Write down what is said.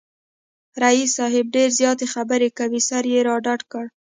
رییس صاحب ډېرې زیاتې خبری کوي، سر یې را ډډ کړ